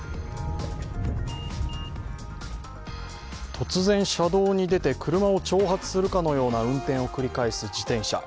突然、車道に出て車を挑発するかのような運転を繰り返す自転車。